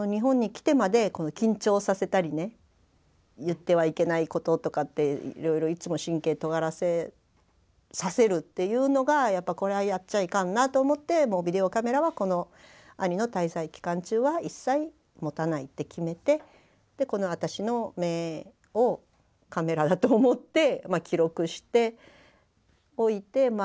言ってはいけないこととかっていろいろいつも神経とがらせさせるっていうのがやっぱこれはやっちゃいかんなと思ってもうビデオカメラは兄の滞在期間中は一切持たないって決めてこの私の目をカメラだと思って記録しておいてま